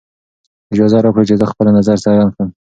اجازه راکړئ چې زه خپله نظر څرګند کړم.